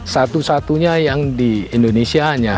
satu satunya yang di indonesia nya